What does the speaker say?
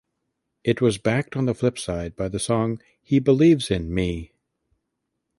It was backed on the flip side by the song "He Believes in Me".